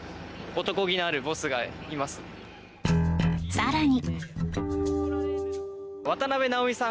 更に。